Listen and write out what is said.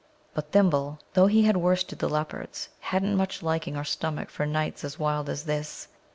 But Thimble, though he had worsted the leopards, hadn't much liking or stomach for nights as wild as this.